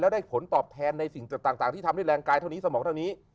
ได้ผลตอบแทนในสิ่งต่างที่ทำให้แรงกายเท่านี้สมองเท่านี้